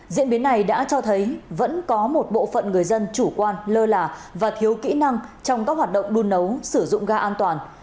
diễn biến này đã cho thấy vẫn có một bộ phận người dân chủ quan lơ là và thiếu kỹ năng trong các hoạt động đun nấu sử dụng ga an toàn